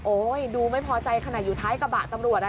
ดูไม่พอใจขนาดอยู่ท้ายกระบะตำรวจอ่ะ